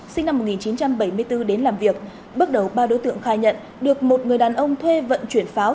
sinh năm một nghìn chín trăm bảy mươi bốn đến làm việc bước đầu ba đối tượng khai nhận được một người đàn ông thuê vận chuyển pháo